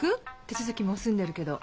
手続きもう済んでるけど。